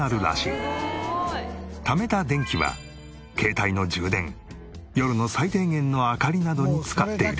ためた電気は携帯の充電夜の最低限の明かりなどに使っている。